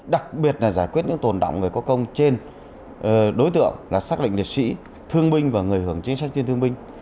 đặc biệt là giải quyết những tồn động người có công trên đối tượng là xác định liệt sĩ thương binh và người hưởng chính sách trên thương binh